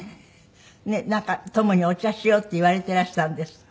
なんかトムに「お茶しよう」って言われていらしたんですって？